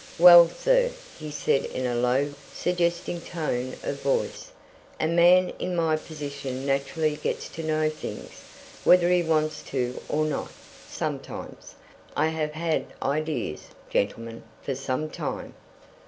"Well, sir!" he said in a low, suggesting tone of voice. "A man in my position naturally gets to know things whether he wants to or not, sometimes. I have had ideas, gentlemen, for some time."